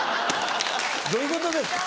どういうことですか？